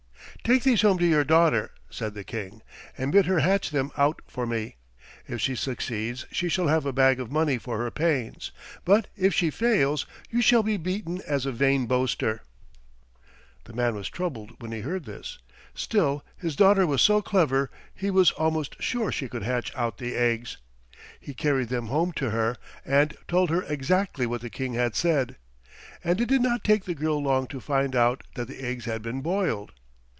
"Take these home to your daughter," said the King, "and bid her hatch them out for me. If she succeeds she shall have a bag of money for her pains, but if she fails you shall be beaten as a vain boaster." The man was troubled when he heard this. Still his daughter was so clever he was almost sure she could hatch out the eggs. He carried them home to her and told her exactly what the King had said, and it did not take the girl long to find out that the eggs had been boiled.